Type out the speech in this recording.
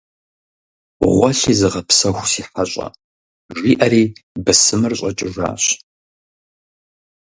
- Гъуэлъи зыгъэпсэху, си хьэщӀэ! - жиӀэри бысымыр щӀэкӀыжащ.